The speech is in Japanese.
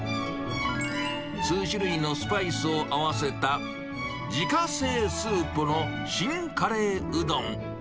数種類のスパイスを合わせた自家製スープの進カレーうどん。